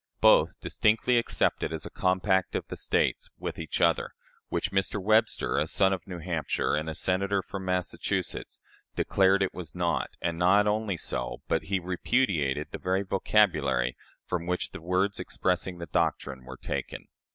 Both distinctly accept it as a compact of the States "with each other" which Mr. Webster, a son of New Hampshire and a Senator from Massachusetts, declared it was not; and not only so, but he repudiated the very "vocabulary" from which the words expressing the doctrine were taken.